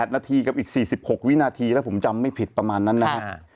นาทีกับอีก๔๖วินาทีถ้าผมจำไม่ผิดประมาณนั้นนะครับ